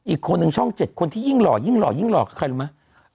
อีกคนหนึ่งช่องเจ็ดคนที่ยิ่งหล่อยิ่งหล่อยิ่งหล่อยิ่งหล่อยใครรู้มั้ย